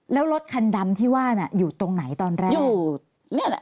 แล้วรถคันดำที่ว่าน่ะอยู่ตรงไหนตอนแรก